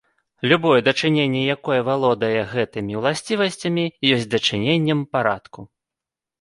Любое дачыненне, якое валодае гэтымі ўласцівасцямі, ёсць дачыненнем парадку.